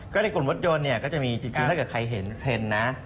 ก็ในกลุ่มรถยนต์เนี่ยก็จะมีจริงถ้าเกิดใครเห็นเทรนด์นะ